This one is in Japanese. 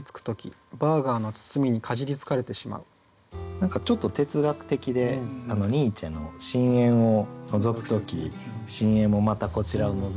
何かちょっと哲学的でニーチェの「深淵をのぞく時深淵もまたこちらをのぞいているのだ」。